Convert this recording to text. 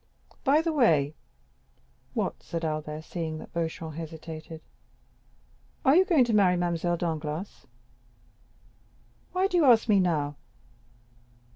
By the way——" "What?" said Albert, seeing that Beauchamp hesitated. "Are you going to marry Mademoiselle Danglars?" "Why do you ask me now?"